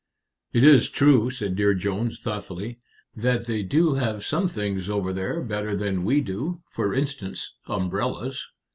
'" "It is true," said Dear Jones, thoughtfully, "that they do have some things over there better than we do; for instance, umbrellas."